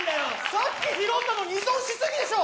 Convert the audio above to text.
さっき拾ったのに依存しすぎでしょ